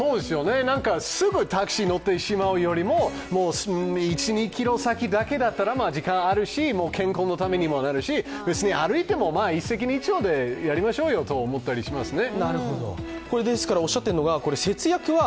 すぐタクシーに乗ってしまうよりも、１、２ｋｍ先だけだったら時間があるし、健康のためにもなるし歩いても一石二鳥でやりましょうと思ったりしますね。